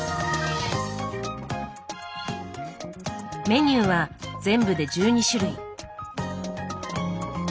メニューは全部で１２種類。